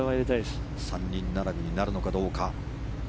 ３人並びになるのかどうか。